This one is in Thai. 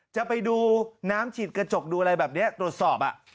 จะไปดูน้ำฉีดกระจกดูอะไรแบบนี้ตรวจสอบ